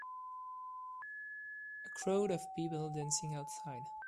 A crowd of people dancing outside.